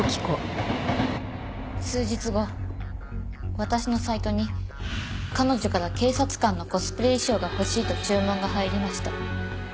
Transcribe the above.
数日後私のサイトに彼女から警察官のコスプレ衣装が欲しいと注文が入りました。